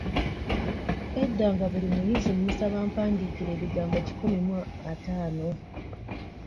Edda nga buli muyizi mmusaba ampandiikire ebigambo kikumi mu ataano.